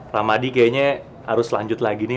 ramadi kayaknya harus lanjut lagi nih